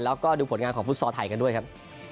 แล้วก็ดูผลงานของฟุตซอลไทยกันด้วยครับ